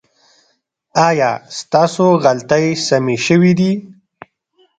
ایا ستاسو غلطۍ سمې شوې دي؟